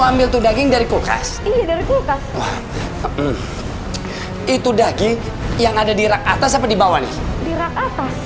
ambil tuh daging dari kulkas itu daging yang ada di rak atas atau di bawah nih di rak atas